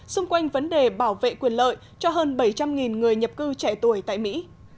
xung quanh vấn đề bảo vệ quyền lợi cho hơn bảy trăm linh người nhập cư trẻ tuổi tại mỹ